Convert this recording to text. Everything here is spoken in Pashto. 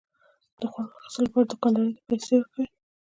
د خوړو اخیستلو لپاره دوکاندار ته پيسى ورکوي.